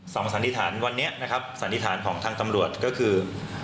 สำหรับสันนิษฐานวันนี้สันนิษฐานของทางตำรวจก็คือ